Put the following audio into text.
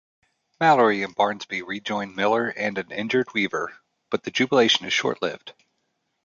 Mallory and Barnsby rejoin Miller and an injured Weaver, but the jubilation is short-lived.